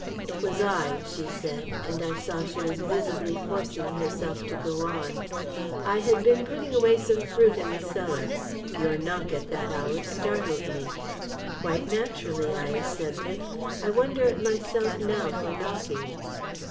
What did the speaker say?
"It was I," she said, and I saw she was visibly forcing herself to go on. "I had been putting away some fruit in the cellar. Your knock at that hour startled me." "Quite naturally," I assented. "I wonder at myself now for knocking."